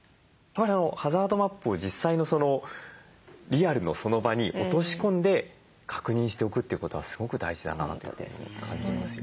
ハザードマップを実際のリアルのその場に落とし込んで確認しておくということはすごく大事だなと感じますよね。